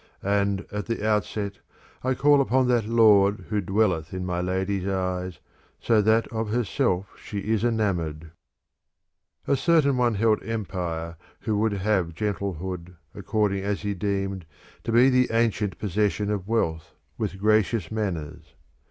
And, at the outset, I call upon that Lord who dwelleth in my lady's eyes, so that of herself she is enamoured. A certain one held empire who would have gentle hood, according as he deemed, to be the ancient possession of wealth, with gracious manners.